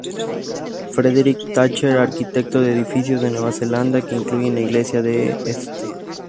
Frederick Thatcher, arquitecto de edificios de Nueva Zelanda que incluyen la iglesia de St.